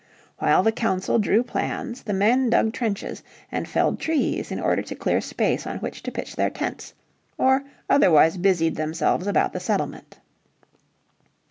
While the council drew plans the men dug trenches and felled trees in order to clear space on which to pitch their tents, or otherwise busied themselves about the settlement.